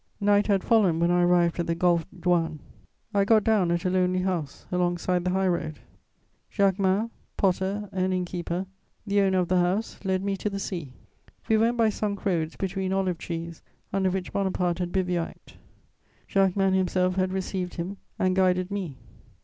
Night had fallen when I arrived at the Golfe Juan; I got down at a lonely house alongside the high road. Jacquemin, potter and inn keeper, the owner of the house, led me to the sea. We went by sunk roads between olive trees under which Bonaparte had bivouacked: Jacquemin himself had received him and guided me.